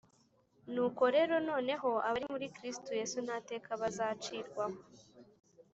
Nuko rero noneho abari muri Kristo Yesu nta teka bazacirwaho